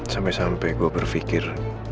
sampai sampai gue berpikir